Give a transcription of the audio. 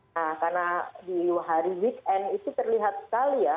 nah karena di hari weekend itu terlihat sekali ya